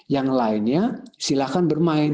yang lainnya silakan bermain